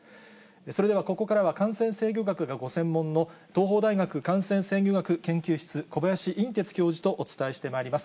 それではここからは、感染制御学がご専門の、東邦大学感染制御学研究室、小林寅てつ教授とお伝えしてまいります。